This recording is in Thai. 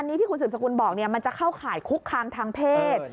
อันนี้ที่คุณสืบสกุลบอกมันจะเข้าข่ายคุกคามทางเพศ